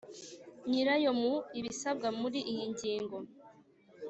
nyirayo Mu ibisabwa muri iyi ngingo